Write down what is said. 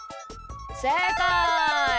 せいかい！